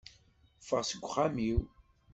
Ffeɣ seg uxxam-iw!